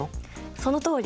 そのとおり！